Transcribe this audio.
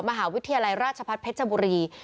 มหาวิทยาลัยราชพัฒนเพชรบุรี